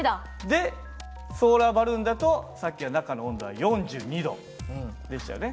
でソーラーバルーンだとさっきは中の温度は４２℃でしたよね。